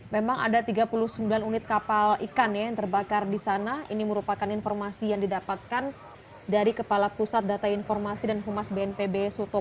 memang ada tiga puluh sembilan unit kapal ikan yang terbakar di sana ini merupakan informasi yang didapatkan dari kepala pusat data informasi dan humas bnpb sutopo